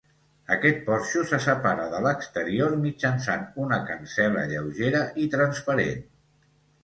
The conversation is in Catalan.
Aquest porxo se separa de l’exterior mitjançant una cancel·la lleugera i transparent.